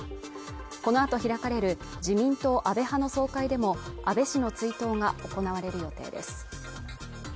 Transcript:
このあと開かれる自民党安倍派の総会でも安倍氏の追悼が行われる予定です